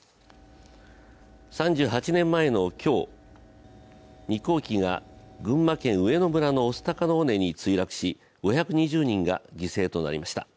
３８年前の今日、日航機が群馬県上野村の御巣鷹の尾根に墜落し５２０人が犠牲となりました。